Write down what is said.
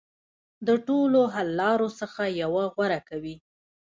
د ټولو حل لارو څخه یوه غوره کوي.